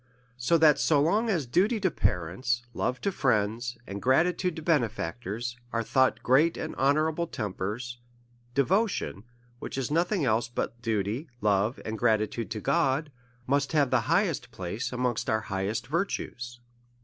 So that, so long as duty to parents, love to friends, z3 342 A SERIOUS CALL TO A and gratitude to benefactors, are thought great and honourable tempers — devotion, which is nothing else but duty, love, and gratitude to God, must have the highest place amongst our highest virtues.